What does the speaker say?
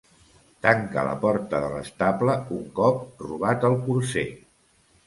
Tanca la porta de l'estable un cop robat el corser.